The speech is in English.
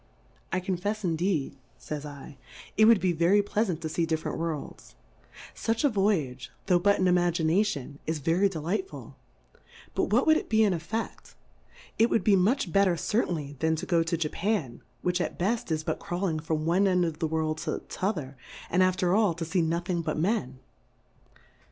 I confefs indeed, fa)'s 7, it would be very plea lant to fee different Worlds; fuch a Voyage, tho' but in Imagination, is ve ry delightful ; but what would it be in EtfeQ: ? It would be much better cer tainly than to go to Jcifan^ which at beft, is but crawling from one end of the World to t'other, and after all to fee nothing but Men.